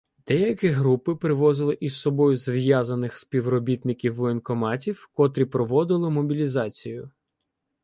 Деякі групи привозили із собою зв'язаних співробітників воєнкоматів, котрі проводили мобілізацію.